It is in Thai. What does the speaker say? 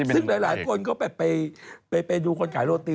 ซึ่งหลายคนก็ไปดูคนขายโรตี